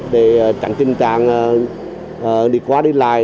để tránh tình trạng đi qua đi lại